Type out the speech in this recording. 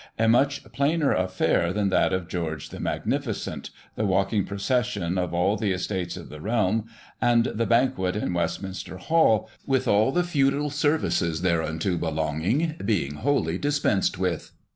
a much plainer affair than that of George the Magnificent, the walking procession of all the estates of the realm, and the banquet in Westminster Hall, with all the feudal services thereunto be longing, being wholly dispensed with.